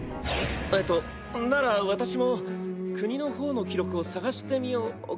えっとなら私も国の方の記録を探してみようかな。